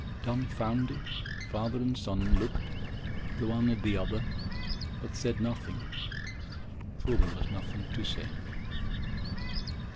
Dumbfounded, father and son looked, the one at the other, but said nothing, for there was nothing to say.